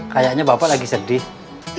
kayaknya bapak lagi sedih